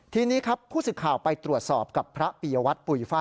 ทีนี้ครับผู้สื่อข่าวไปตรวจสอบกับพระปียวัตรปุ๋ยฝ้า